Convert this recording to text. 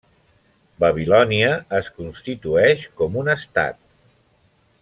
Babilònia es constitueix com un estat.